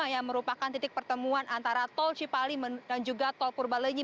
yang merupakan titik pertemuan antara tol cipali dan juga tol purbalenyi